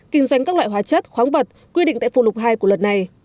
kinh doanh các loại hóa chất khoáng vật quy định tại phụ lục hai của luật này